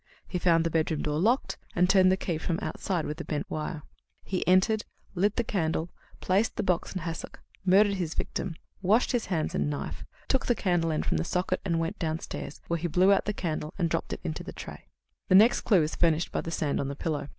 He found the bedroom door locked, and turned the key from outside with a bent wire. He entered, lit the candle, placed the box and hassock, murdered his victim, washed his hands and knife, took the candle end from the socket and went downstairs, where he blew out the candle and dropped it into the tray. "The next clue is furnished by the sand on the pillow.